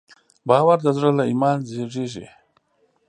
باور د زړه له ایمان زېږېږي.